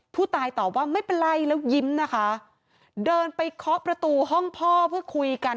ผู้ตายตอบว่าไม่เป็นไรแล้วยิ้มนะคะเดินไปเคาะประตูห้องพ่อเพื่อคุยกัน